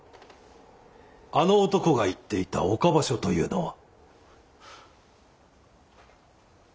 あの男が行っていた岡場所というのは？